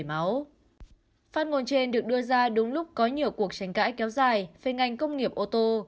phát ngôn trên được đưa ra đúng lúc có nhiều cuộc tranh cãi kéo dài về ngành công nghiệp ô tô